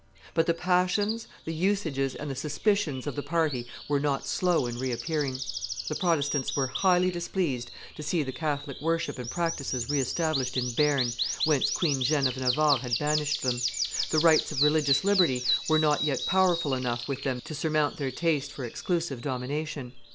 But the passions, the usages, and the suspicions of the party were not slow in reappearing. The Protestants were highly displeased to see the Catholic worship and practices re established in Bearn, whence Queen Jeanne of Navarre had banished them; the rights of religious liberty were not yet powerful enough with them to surmount their taste for exclusive domination.